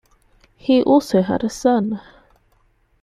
He also had a son.